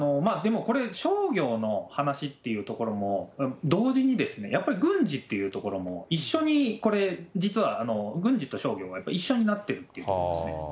でもこれ、商業の話っていうところも同時にですね、やっぱり軍事というところも一緒にこれ、実は軍事と商業は一緒になってるということですね。